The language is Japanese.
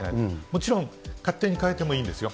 もちろん勝手に変えてもいいんですよ。